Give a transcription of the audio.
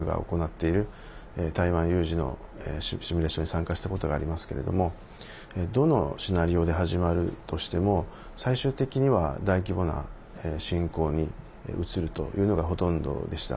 私も、アメリカのシンクタンクなどが行っている台湾有事のシミュレーションに参加したことがありますけれどもどのシナリオで始まるとしても最終的には、大規模な侵攻に移るというのがほとんどでした。